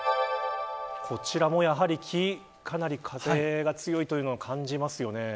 こちらもやはり木がかなり風が強いというのを感じます。